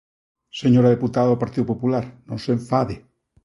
Señora deputada do Partido Popular, non se enfade.